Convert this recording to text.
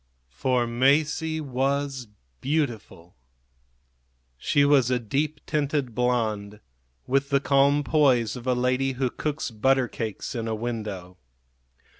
For Masie was beautiful. She was a deep tinted blonde, with the calm poise of a lady who cooks butter cakes in a window.